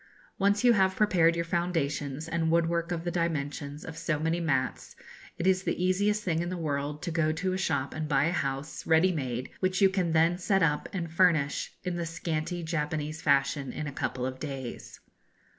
Once you have prepared your foundations and woodwork of the dimensions of so many mats, it is the easiest thing in the world to go to a shop and buy a house, ready made, which you can then set up and furnish in the scanty Japanese fashion in a couple of days.